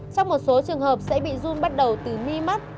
trong một số trường hợp sẽ bị run bắt đầu từ mi mắt